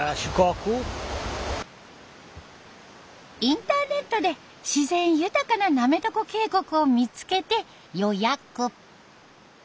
インターネットで自然豊かな滑床渓谷を見つけて予約。